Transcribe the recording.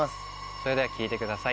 それでは聴いてください